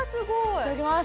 いただきます！